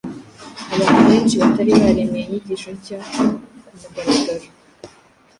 Abantu benshi batari baremeye inyigisho nshya ku mugaragaro